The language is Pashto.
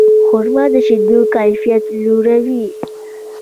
خرما د شیدو کیفیت لوړوي.